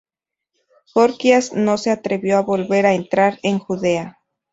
Gorgias no se atrevió a volver a entrar en Judea.